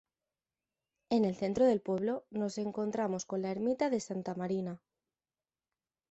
En el centro del pueblo nos encontramos con la ermita de Santa Marina.